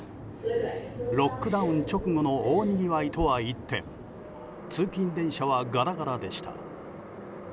ロックダウン直後の大にぎわいとは一転通勤電車はガラガラでした。